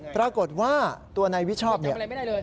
ปรากฏว่าตัวนายวิชอบเนี่ย